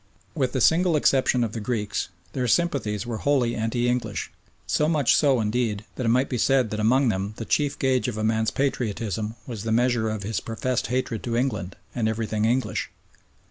With the single exception of the Greeks, their sympathies were wholly anti English, so much so indeed that it might be said that among them the chief gauge of a man's patriotism was the measure of his professed hatred to England and everything English.